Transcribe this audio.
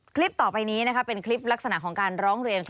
คลิปต่อไปนี้เป็นคลิปลักษณะของการร้องเรียน